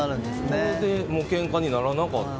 それでけんかにならなかった。